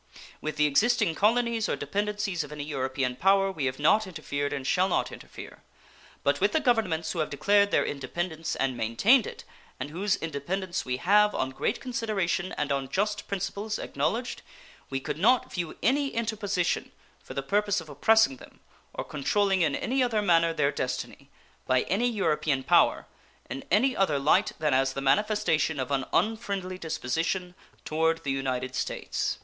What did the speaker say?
With the existing colonies or dependencies of any European power we have not interfered and shall not interfere, but with the Governments who have declared their independence and maintained it, and whose independence we have, on great consideration and on just principles, acknowledged, we could not view any interposition for the purpose of oppressing them, or controlling in any other manner their destiny, by any European power in any other light than as the manifestation of an unfriendly disposition toward the United States.